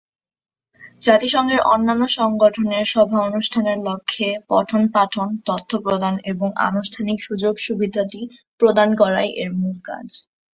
জাতিসংঘের অন্যান্য সংগঠনের সভা অনুষ্ঠানের লক্ষ্যে পঠন-পাঠন, তথ্য প্রদান এবং আনুষ্ঠানিক সুযোগ-সুবিধাদি প্রদান করাই এর মূল কাজ।